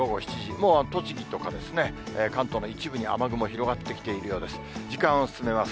もう栃木とか関東の一部に雨雲広がってきているようです。